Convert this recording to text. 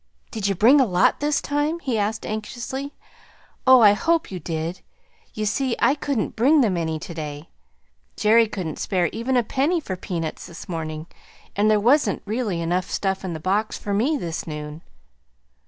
"Did you bring a lot this time?" he asked anxiously. "Oh, I hope you did! You see I couldn't bring them any to day. Jerry couldn't spare even a penny for peanuts this morning and there wasn't really enough stuff in the box for me this noon."